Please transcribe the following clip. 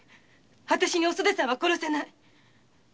あたしにお袖さんは殺せない！